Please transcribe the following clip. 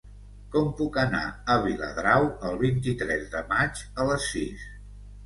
Com puc anar a Viladrau el vint-i-tres de maig a les sis?